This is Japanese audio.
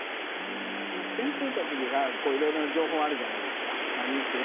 先生たちが、いろんな情報あるじゃないですか。